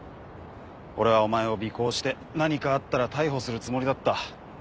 俺はお前を尾行して何かあったら逮捕するつもりだった。